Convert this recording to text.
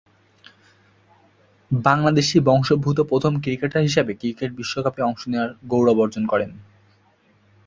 বাংলাদেশী বংশোদ্ভূত প্রথম ক্রিকেটার হিসেবে ক্রিকেট বিশ্বকাপে অংশ নেয়ার গৌরব অর্জন করেন।